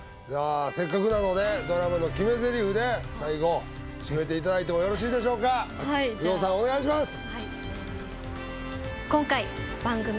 せっかくなのでドラマの決めゼリフで最後締めていただいてもよろしいでしょうかはいじゃあ工藤さんお願いします